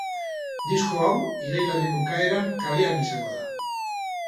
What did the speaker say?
Disko hau irailaren bukaeran kalean izango da.